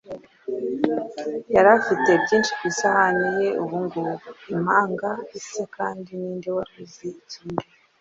Yari afite byinshi ku isahani ye ubungubu ... impanga, ise kandi ninde wari uzi ikindi?